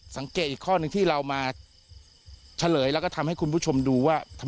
เหมือนมีใครมาค่ะ